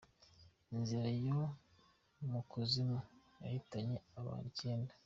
Inzira yo mu kuzimu yahitanye abantu icyenda